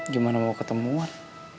gimana mau ketemuan